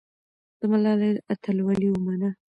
د ملالۍ اتلولي ومنه.